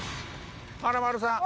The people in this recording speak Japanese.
華丸さん。